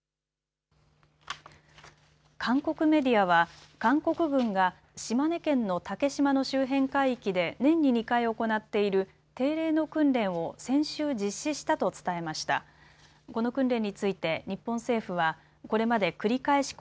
韓国メディアは韓国軍が島根県の竹島の周辺海域で年に２回行っている定例の訓練を先週、実施したと伝えました。